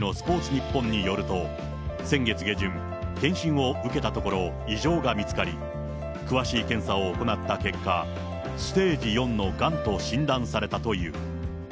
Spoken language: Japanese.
ニッポンによると、先月下旬、検診を受けたところ、異常が見つかり、詳しい検査を行った結果、ステージ４のがんと診断されたという。